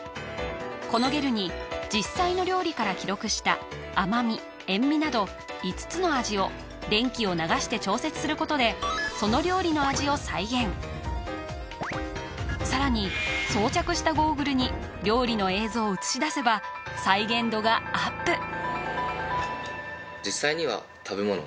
このゲルに実際の料理から記録した甘味塩味など５つの味を電気を流して調節することでその料理の味を再現さらに装着したゴーグルに料理の映像を映し出せば再現度がアップ！